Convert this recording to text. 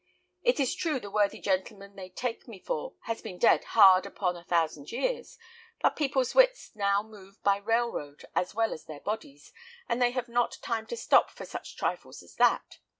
It is true the worthy gentleman they take me for has been dead hard upon a thousand years; but people's wits now move by railroad as well as their bodies, and they have not time to stop for such trifles as that.